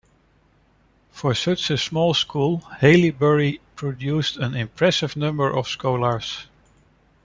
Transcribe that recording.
For such a small school Haileybury produced an impressive number of scholars.